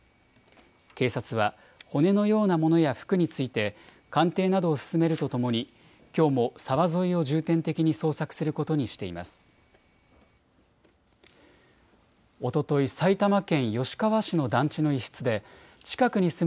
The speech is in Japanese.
警察は、骨のようなものや服について、鑑定などを進めるとともに、きょうも沢沿いを重点的に捜索することにしています。